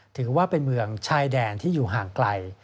ถือว่าเป็นเมืองชายแดนที่อยู่ห่างไกล